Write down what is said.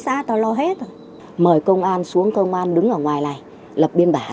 bắt cửa vào lại